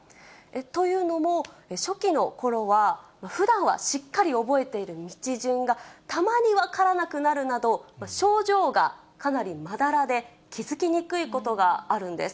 というのも、初期のころは、ふだんはしっかり覚えている道順が、たまに分からなくなるなど、症状がかなりまだらで、気付きにくいことがあるんです。